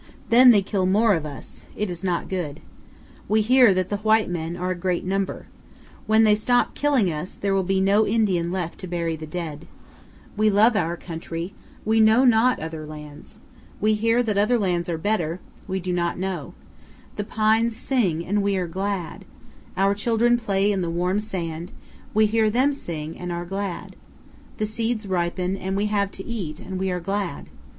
Then they kill more of us. It is not good. We hear that the white men are a great number. When they stop killing us, there will be no Indian left to powell canyons 201.jpg INTERIOR VIEW OF A TUSAYAN KIVA. THE RIO VIRGEN AND THE UINKARET MOUNTAINS. 323 bury the dead. We love our country; we know not other lands. We hear that other lands are better; we do not know. The pines sing and we are glad. Our children play in the warm sand; we hear them sing and are glad. The seeds ripen and we have to eat and we are glad.